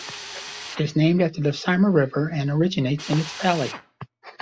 It is named after the Sarma River and originates in its valley.